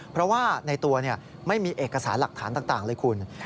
เพราะว่าในตัวไม่มีเอกสารหลักฐานต่างเลยคุณ